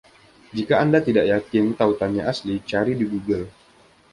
Jika Anda tidak yakin tautannya asli, cari di Google.